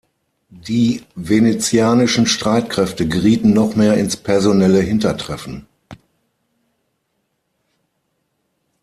Die venezianischen Streitkräfte gerieten noch mehr ins personelle Hintertreffen.